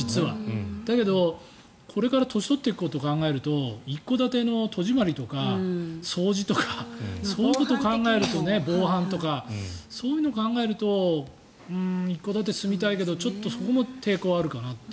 だけど、これから年取っていくことを考えると一戸建ての戸締まりとか掃除とかそういうことを考えると防犯とか、そういうのを考えると一戸建てに住みたいけどちょっとそこも抵抗あるかなと。